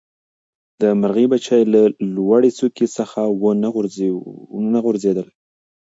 د مرغۍ بچي له لوړې څانګې څخه ونه غورځېدل.